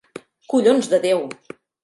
Collons de déu!